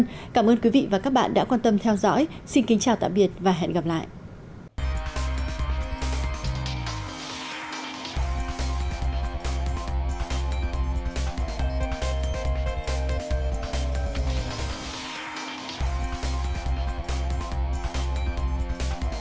hãy đăng ký kênh để ủng hộ kênh của mình nhé